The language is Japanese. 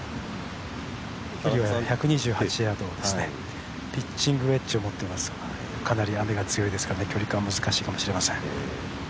距離は１２８ヤードですね、ピッチングウェッジを持っていますからかなり雨が強いですから、距離感難しいかもしれません。